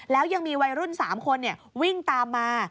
แล้วยังมีวัยรุ่น๓คนวิ่งตามมา